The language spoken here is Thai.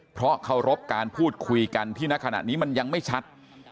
เพราะเคารพการพูดคุยกันที่ณขณะนี้มันยังไม่ชัด